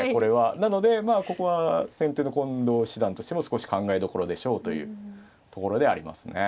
なのでまあここは先手の近藤七段としても少し考えどころでしょうというところではありますね。